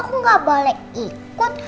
aku gak boleh ikut